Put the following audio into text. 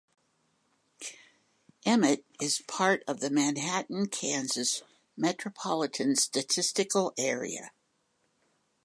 Emmett is part of the Manhattan, Kansas Metropolitan Statistical Area.